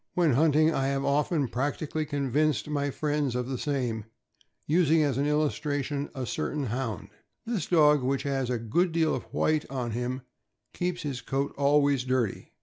When hunting, I have often practically convinced my friends of the same, using* as an illustration a certain Hound. This dog, which has a good deal of white on him, keeps his coat always dirty.